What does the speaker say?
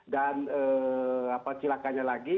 dan apa cilakannya lagi